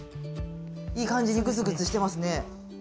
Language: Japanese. いい感じにグツグツしてますね。